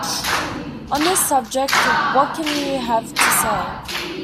On this subject, what can you have to say?